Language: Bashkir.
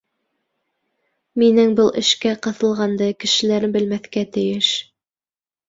Минең был эшкә ҡыҫылғанды кешеләр белмәҫкә тейеш.